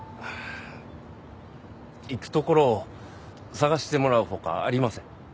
行く所を探してもらうほかありません。